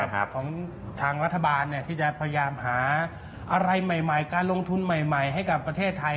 ของทางรัฐบาลที่จะพยายามหาอะไรใหม่การลงทุนใหม่ให้กับประเทศไทย